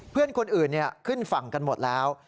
เพื่อนคนอื่นขึ้นฝั่งกันหมดแล้ว